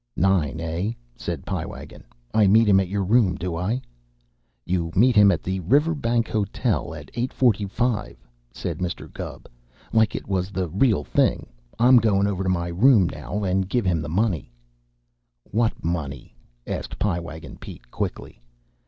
"Nine, eh?" said Pie Wagon. "I meet him at your room, do I?" "You meet him at the Riverbank Hotel at eight forty five," said Mr. Gubb. "Like it was the real thing. I'm goin' over to my room now, and give him the money " "What money?" asked Pie Wagon Pete quickly.